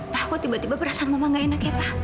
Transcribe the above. wah tiba tiba perasaan mama nggak enak ya pa